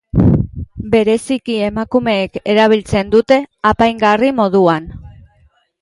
Bereziki emakumeek erabiltzen dute, apaingarri moduan.